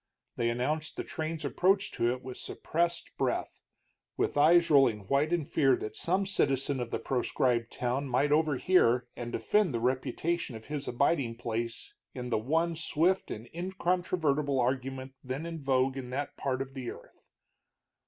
They announced the train's approach to it with suppressed breath, with eyes rolling white in fear that some citizen of the proscribed town might overhear and defend the reputation of his abiding place in the one swift and incontrovertible argument then in vogue in that part of the earth.